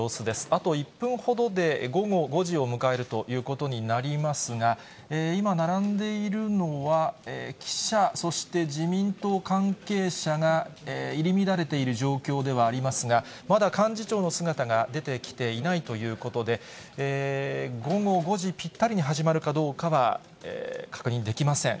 あと１分ほどで午後５時を迎えるということになりますが、今、並んでいるのは記者、そして自民党関係者が、入り乱れている状況ではありますが、まだ幹事長の姿が出てきていないということで、午後５時ぴったりに始まるかどうかは確認できません。